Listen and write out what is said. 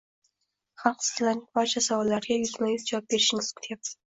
Xalq sizlarning barcha savollarga yuzma yuz javob berishingizni kutyapti.